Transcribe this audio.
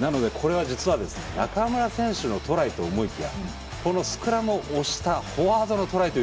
なのでこれは実は中村選手のトライと思いきやこのスクラムを押したフォワードのトライと言っても過言じゃないんですよ。